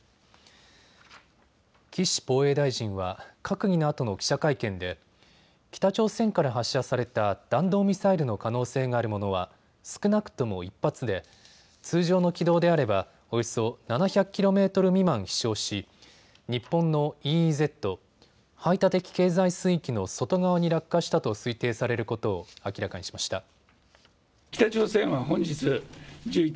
岸防衛大臣は閣議のあとの記者会見で北朝鮮から発射された弾道ミサイルの可能性があるものは少なくとも１発で通常の軌道であればおよそ７００キロメートル未満飛しょうし日本のＥＥＺ・排他的経済水域の外側に落下したと推定されることを明らかにしました。